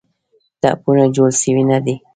ټپونه جوړ سوي نه دي.